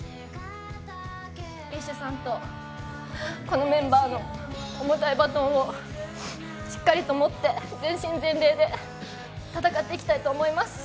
ＢｉＳＨさんとこのメンバーの重たいバトンをしっかりと持って、全身全霊で戦っていきたいと思います。